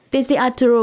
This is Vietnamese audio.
tiến sĩ arturo